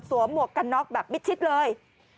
หมวกกันน็อกแบบมิดชิดเลย